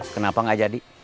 kenapa gak jadi